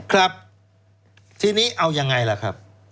ครับทีนี้เอายังไงล่ะครับ